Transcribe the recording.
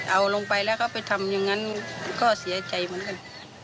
เอาลงไปแล้วก็ไปทำอย่างนั้นก็เสียใจเหมือนกัน